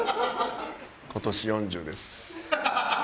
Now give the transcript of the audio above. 今年４０です。